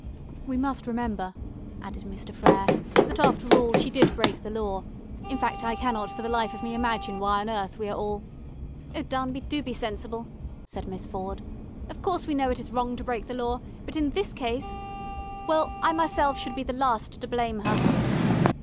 "We must remember," added Mr. Frere, "that, after all, she did break the law. In fact I cannot for the life of me imagine why on earth we are all " "Oh, Darnby, do be sensible," said Miss Ford. "Of course we know it is wrong to break the law, but in this case well, I myself should be the last to blame her."